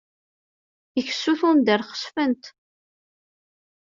Ikessu tundar xeṣṣfent.